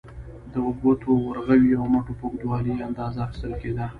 د ګوتو، ورغوي او مټو په اوږدوالي یې اندازه اخیستل کېده.